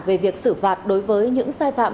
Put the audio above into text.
về việc xử phạt đối với những sai phạm